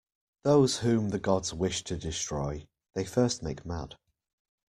Those whom the gods wish to destroy, they first make mad.